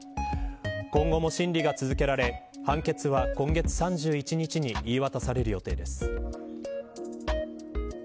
今後も審理が続けられ判決は今月３１日に言い渡される予定です。